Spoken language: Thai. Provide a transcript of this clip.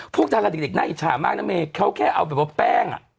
พวกดาราเด็กอีกหน้าอิจฉามากนะเมค้าแค่เอาแบบของแป้ง